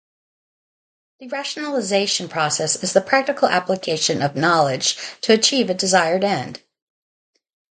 The rationalization process is the practical application of knowledge to achieve a desired end.